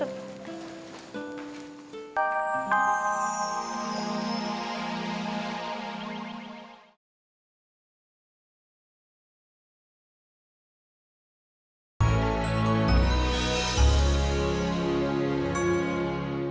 untuk pake cepetan